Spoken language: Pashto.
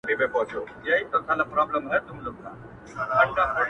لا هم له پاڼو زرغونه پاته ده!